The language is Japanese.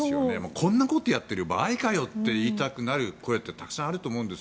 こんなことやってる場合かよって言いたくなる声ってたくさんあると思うんです。